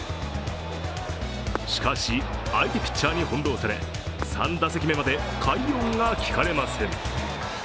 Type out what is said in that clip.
しかし、相手ピッチャーにほんろうされ３打席目まで快音が聞かれません。